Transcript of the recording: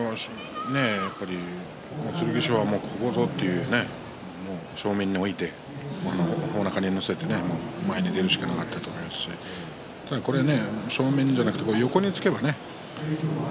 剣翔はここぞという正面に置いて、おなかに乗せて前に出るしかなかったと思いますし正面じゃなくて横につけば翠